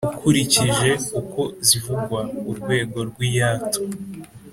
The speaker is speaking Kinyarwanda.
Ukurikije uko zivugwa (urwego rw’iyatu),